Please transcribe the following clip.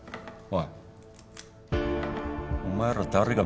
おい。